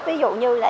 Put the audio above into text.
ví dụ như là